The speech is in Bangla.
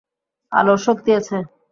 আলোর শক্তি আছে।